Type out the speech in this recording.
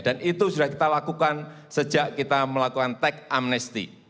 dan itu sudah kita lakukan sejak kita melakukan tax amnesty